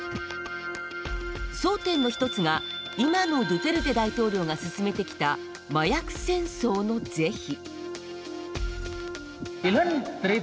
争点の１つが今のドゥテルテ大統領が進めてきた麻薬戦争の是非。